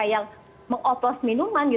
kayak mengopos minuman